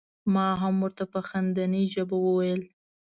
ما هم ور ته په خندنۍ ژبه وویل.